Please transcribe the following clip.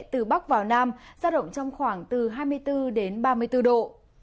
từ bắc vào nam giao động trong khoảng từ hai mươi bốn đến ba mươi bốn độ